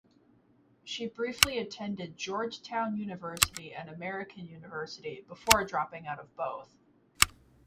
She briefly attended Georgetown University and American University before dropping out of both.